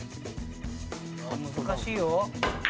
「難しいよ」